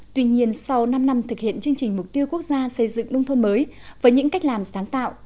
tuy nhiên sau năm năm thực hiện chương trình mục tiêu quốc gia xây dựng nông thôn mới với những cách làm sáng tạo